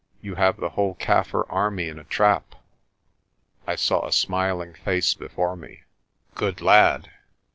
You have the whole Kaffir army in a trap." I saw a smiling face before me. "Good lad.